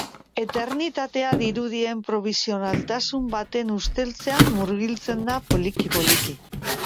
Eternitatea dirudien probisionaltasun baten usteltzean murgiltzen da poliki-poliki.